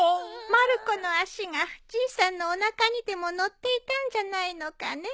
まる子の足がじいさんのおなかにでものっていたんじゃないのかね？